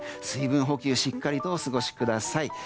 水分補給しっかりとお過ごしください。